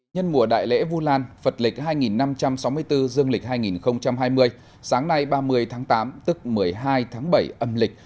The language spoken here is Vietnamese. nhân mùa đại lễ vu lan phật lịch hai năm trăm sáu mươi bốn dương lịch hai mươi sáng nay ba mươi tháng tám tức một mươi hai tháng bảy âm lịch